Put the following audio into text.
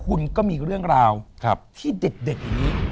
คุณก็มีเรื่องราวที่เด็กนี้